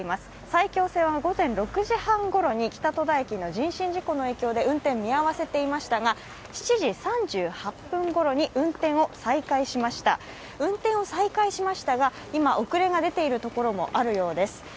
埼京線は午前６時半ごろに北戸田駅の人身事故の影響で運転を見合わせていましたが、７時３８分ごろに運転を再開しました運転を再開しましたが、今遅れが出ているところもあるようです。